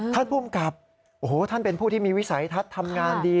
ท่านภูมิกับโอ้โหท่านเป็นผู้ที่มีวิสัยทัศน์ทำงานดี